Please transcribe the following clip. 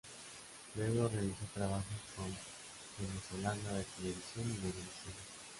Luego realizó trabajos con Venezolana de Televisión y Venevisión.